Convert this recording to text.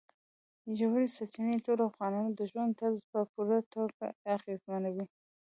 ژورې سرچینې د ټولو افغانانو د ژوند طرز په پوره توګه اغېزمنوي.